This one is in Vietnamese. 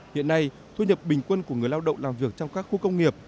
hiện nay thu nhập bình quân của người lao động làm việc trong các khu công nghiệp